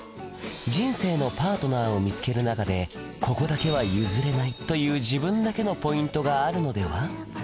人生のパートナーを見つける中でここだけは譲れないという自分だけのポイントがあるのでは？